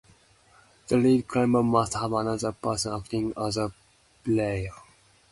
The "lead climber" must have another person acting as a belayer.